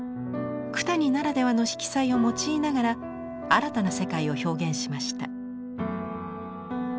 九谷ならではの色彩を用いながら新たな世界を表現しました。